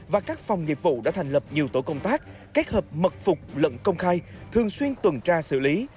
và các phòng nghiệp vụ đã thành lập nhiều tổ công tác kết hợp mật phục lẫn công khai thường xuyên tuần tra xử lý